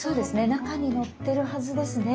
中に乗ってるはずですね。